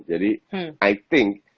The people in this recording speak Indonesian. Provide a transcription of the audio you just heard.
jadi i think